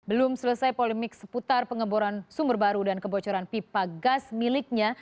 belum selesai polemik seputar pengeboran sumber baru dan kebocoran pipa gas miliknya